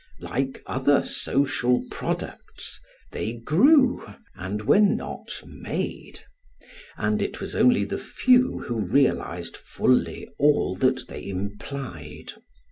Like other social products they grew and were not made; and it was only the few who realised fully all that they implied.